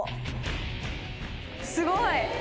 すごい！